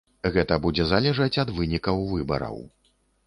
Гэта будзе залежаць ад вынікаў выбараў.